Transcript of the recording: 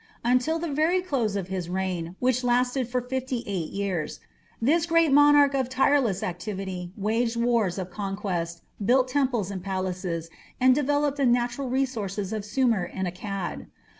Until the very close of his reign, which lasted for fifty eight years, this great monarch of tireless activity waged wars of conquest, built temples and palaces, and developed the natural resources of Sumer and Akkad.